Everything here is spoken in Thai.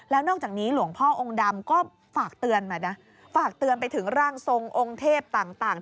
แล้วนอกจากนี้หลวงพ่อองค์ดำก็ฝากเตือนมานะฝากเตือนไปถึงร่างทรงองค์เทพต่าง